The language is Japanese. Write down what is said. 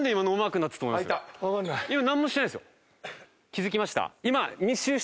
気づきました？